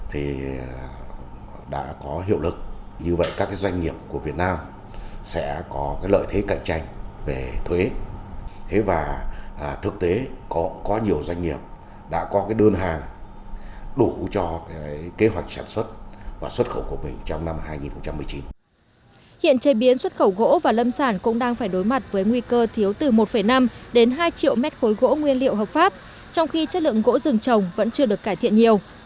hiện chế biến xuất khẩu gỗ và lâm sản cũng đang phải đối mặt với nguy cơ thiếu từ một năm đến hai triệu mét khối gỗ nguyên liệu hợp pháp trong khi chất lượng gỗ rừng trồng vẫn chưa được cải thiện nhiều